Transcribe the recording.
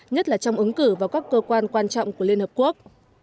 nhất là trong ứng cử vào các cơ quan quan trọng của liên hợp quốc